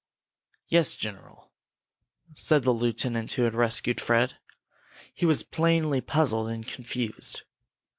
"Yes, general," said the lieutenant who had rescued Fred. He was plainly puzzled and confused.